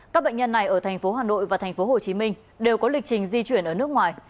các bệnh nhân này ở thành phố hà nội và thành phố hồ chí minh đều có lịch trình di chuyển ở nước ngoài